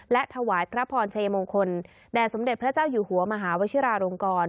และถวายพระพรชัยมงคลแด่สมเด็จพระเจ้าอยู่หัวมหาวชิราลงกร